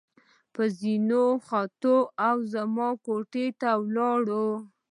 په زېنو کې وختو او زما کوټې ته ولاړو.